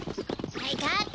はいカット！